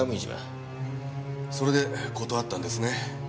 それで断ったんですね。